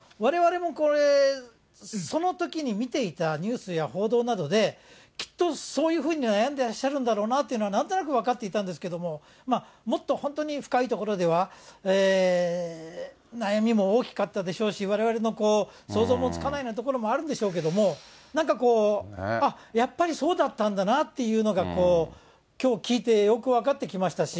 でも、われわれもこれ、そのときに見ていたニュースや報道などで、きっとそういうふうに悩んでらっしゃるんだろうなというのはなんとなく分かってたんですけれども、まあ、もっと本当に深いところでは悩みも大きかったでしょうし、われわれの想像もつかないようなところもあるんでしょうけれども、なんかこう、あっ、やっぱりそうだったんだなっていうのが、きょう聞いてよく分かってきましたし。